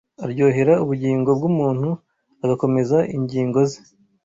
aryohera ubugingo bw’umuntu agakomeza ingingo ze